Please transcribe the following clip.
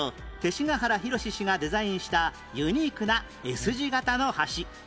勅使河原宏氏がデザインしたユニークな Ｓ 字形の橋